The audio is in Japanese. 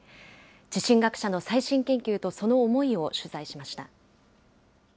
地震学者の最新研究と、その思いを取材しました。